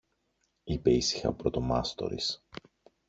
είπε ήσυχα ο πρωτομάστορης.